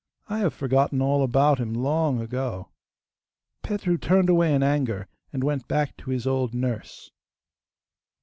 I have forgotten all about him long ago.' Petru turned away in anger, and went back to his old nurse.